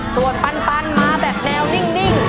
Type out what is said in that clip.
ส่วนปันมาแบบแนวนิ่ง